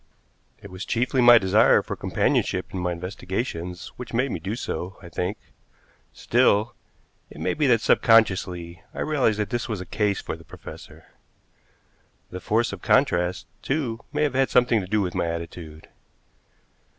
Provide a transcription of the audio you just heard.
It was chiefly my desire for companionship in my investigations which made me do so, I think; still, it may be that subconsciously I realized that this was a case for the professor. The force of contrast, too, may have had something to do with my attitude.